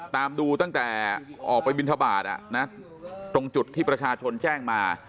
ตามดูตั้งแต่ออกไปบินทบาทตรงจุดที่ประชาชนแจ้งมา